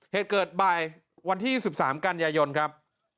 เหตุเกิดบ่ายวันที่๑๓กันยายนครับ